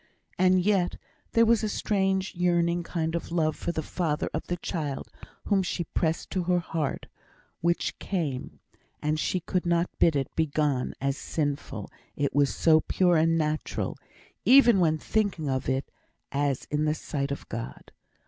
And yet, there was a strange yearning kind of love for the father of the child whom she pressed to her heart, which came, and she could not bid it begone as sinful, it was so pure and natural, even when thinking of it, as in the sight of God.